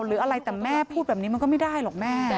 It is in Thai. หรืออะไรแต่แม่พูดแบบนี้มันก็ไม่ได้หรอกแม่